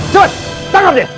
cepat tangkap dia